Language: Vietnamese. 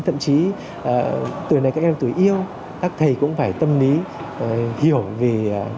thậm chí tuổi này các em tuổi yêu các thầy cũng phải tâm lý hiểu về